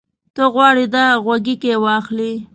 ته غواړې دا غوږيکې واخلې؟